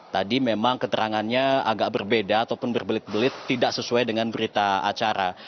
tadi memang keterangannya agak berbeda ataupun berbelit belit tidak sesuai dengan berita acara